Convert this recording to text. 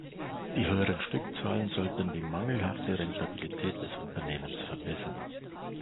Die höheren Stückzahlen sollten die mangelhafte Rentabilität des Unternehmens verbessern.